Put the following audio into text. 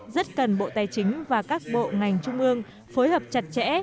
rất cần bộ tài chính và các bộ ngành trung ương phối hợp chặt chẽ